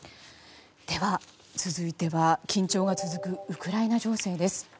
では、続いては緊張が続くウクライナ情勢です。